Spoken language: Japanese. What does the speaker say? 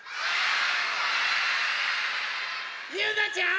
ゆうなちゃん！